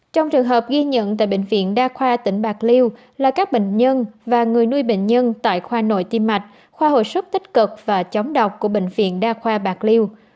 trong trường hợp ghi nhận tại bệnh viện đa khoa tỉnh bạc liêu là các bệnh nhân và người nuôi bệnh nhân tại khoa nội tim mạch khoa hồi sức tích cực và chống độc của bệnh viện đa khoa bạc liêu